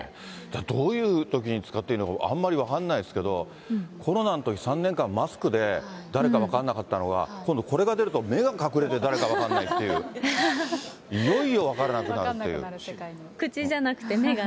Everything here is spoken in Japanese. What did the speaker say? どういうときに使っていいのかあんまり分かんないですけど、コロナのとき、３年間マスクで、誰か分からなかったのが、今度、これが出ると、目が隠れて誰か分かんないっていう、いよいよ分からなくなるって口じゃなくて、目がね。